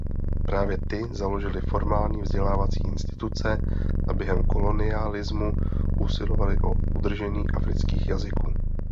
Právě ty založily formální vzdělávací instituce a během kolonialismu usilovaly o udržení afrických jazyků.